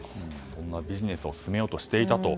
そんなビジネスを進めようとしていたと。